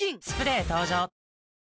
スプレー登場！